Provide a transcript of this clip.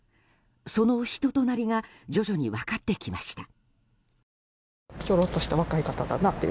その人となりが徐々に分かってきました。